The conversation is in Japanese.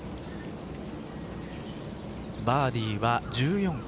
バーディーは１４個。